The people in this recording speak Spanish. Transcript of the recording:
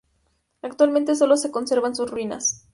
Actualmente sólo se conservan sus ruinas.